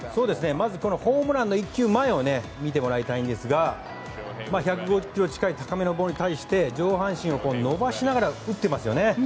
まず、ホームランの１球前１５０キロ近い高めのボールに対して上半身を伸ばしながら打っていますよね。